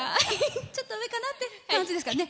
ちょっと上かなって感じですかね。